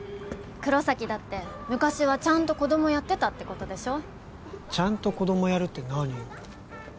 黒崎だって昔はちゃんと子供やってたってことでしょちゃんと子供やるって何よ